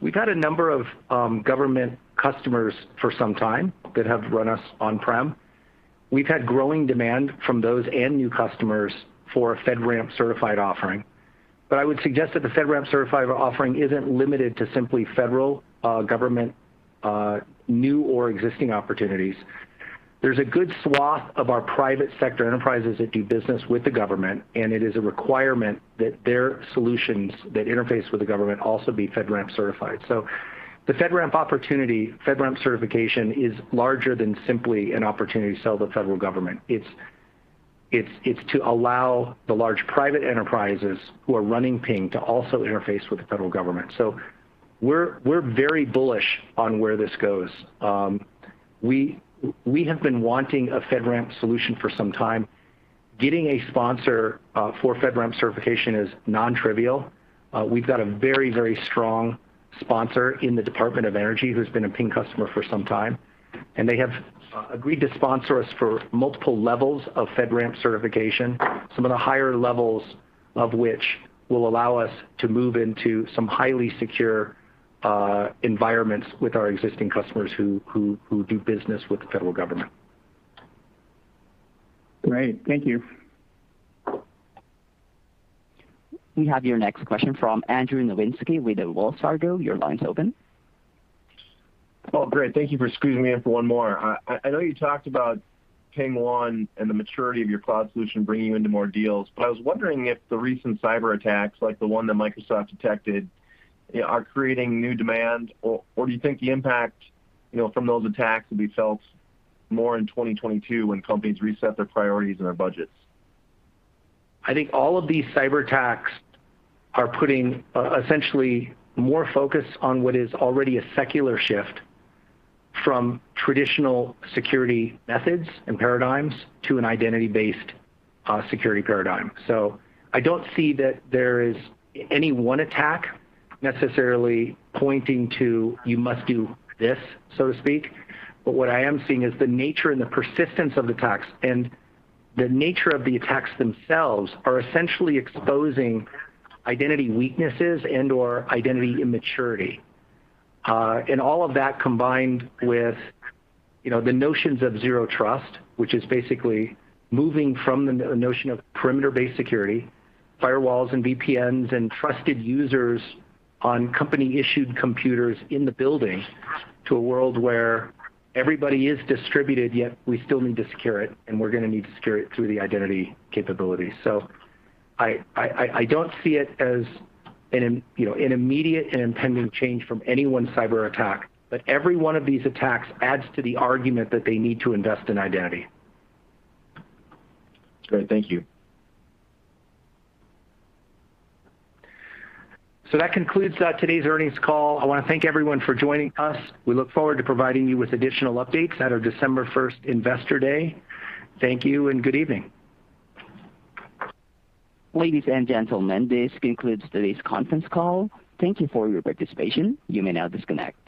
We've had a number of government customers for some time that have run us on-prem. We've had growing demand from those and new customers for a FedRAMP certified offering. I would suggest that the FedRAMP certified offering isn't limited to simply federal government new or existing opportunities. There's a good swath of our private sector enterprises that do business with the government, and it is a requirement that their solutions that interface with the government also be FedRAMP certified. The FedRAMP opportunity, FedRAMP certification is larger than simply an opportunity to sell to the federal government. It's to allow the large private enterprises who are running Ping to also interface with the federal government. We're very bullish on where this goes. We have been wanting a FedRAMP solution for some time. Getting a sponsor for FedRAMP certification is non-trivial. We've got a very, very strong sponsor in the Department of Energy who's been a Ping customer for some time, and they have agreed to sponsor us for multiple levels of FedRAMP certification, some of the higher levels of which will allow us to move into some highly secure environments with our existing customers who do business with the federal government. Great. Thank you. We have your next question from Andrew Nowinski with Wells Fargo. Your line's open. Oh, great. Thank you for squeezing me in for one more. I know you talked about PingOne and the maturity of your cloud solution bringing you into more deals, but I was wondering if the recent cyber attacks, like the one that Microsoft detected, you know, are creating new demand or do you think the impact, you know, from those attacks will be felt more in 2022 when companies reset their priorities and their budgets? I think all of these cyberattacks are putting essentially more focus on what is already a secular shift from traditional security methods and paradigms to an identity-based security paradigm. I don't see that there is any one attack necessarily pointing to, "You must do this," so to speak, but what I am seeing is the nature and the persistence of attacks and the nature of the attacks themselves are essentially exposing identity weaknesses and/or identity immaturity. All of that combined with, you know, the notions of Zero Trust, which is basically moving from the notion of perimeter-based security, firewalls and VPNs and trusted users on company-issued computers in the building, to a world where everybody is distributed, yet we still need to secure it, and we're gonna need to secure it through the identity capabilities. I don't see it as an immediate and impending change from any one cyberattack, but every one of these attacks adds to the argument that they need to invest in identity. Great. Thank you. That concludes today's earnings call. I wanna thank everyone for joining us. We look forward to providing you with additional updates at our December first investor day. Thank you, and good evening. Ladies and gentlemen, this concludes today's conference call. Thank you for your participation. You may now disconnect.